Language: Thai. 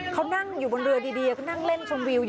เขานั่งอยู่บนเรือดีก็นั่งเล่นชมวิว